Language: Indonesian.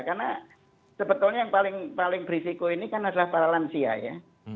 karena sebetulnya yang paling berisiko ini kan adalah para lansia ya